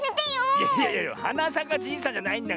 いやいやはなさかじいさんじゃないんだから。